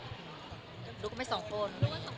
ดูกันไปสองคน